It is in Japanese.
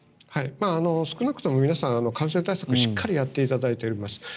少なくとも皆さん感染対策をしっかりやっていただいております。